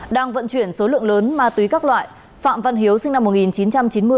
đang vận chuyển số lượng lớn ma túy các loại phạm văn hiếu sinh năm một nghìn chín trăm chín mươi